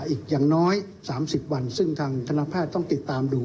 อีกอย่างน้อย๓๐วันซึ่งทางคณะแพทย์ต้องติดตามดู